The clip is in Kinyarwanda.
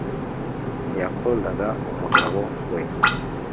ntiyakundaga umugabo we